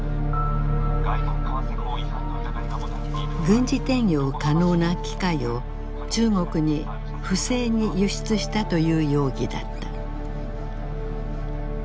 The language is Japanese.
軍事転用可能な機械を中国に不正に輸出したという容疑だった。